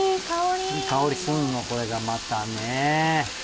いい香りするのこれがまたね。